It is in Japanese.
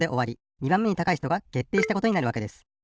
２ばんめに高いひとがけっていしたことになるわけです。